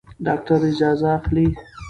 ډاکټر اجازه اخلي.